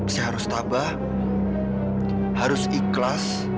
saya harus tabah harus ikhlas